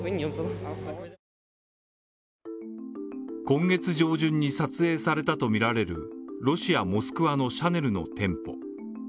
今月上旬に撮影されたとみられるロシアモスクワのシャネルの店舗。